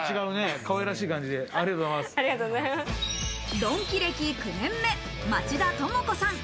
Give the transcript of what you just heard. ドンキ歴９年目、町田智子さん。